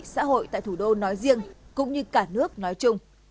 xã hội tại thủ đô nói riêng cũng như cả nước nói chung